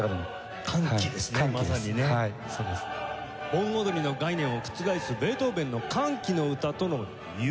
盆踊りの概念を覆すベートーヴェンの『歓喜の歌』との融合です。